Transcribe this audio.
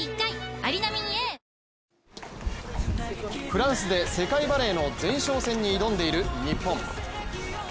フランスで世界バレーの前哨戦に挑んでいる日本。